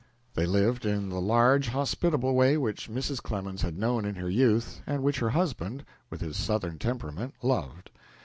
They lived in the large, hospitable way which Mrs. Clemens had known in her youth, and which her husband, with his Southern temperament, loved.